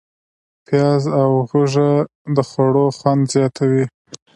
پیاز او هوږه د خوړو خوند زیاتوي.